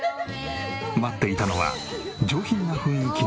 待っていたのは上品な雰囲気の美女。